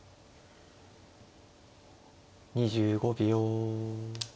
２５秒。